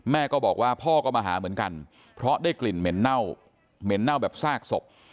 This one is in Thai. แม่ก็บอกว่าพ่อก็มาหาเหมือนกันเพราะได้กลิ่นเหม็นเน่าเหม็นเน่าแบบซากศพ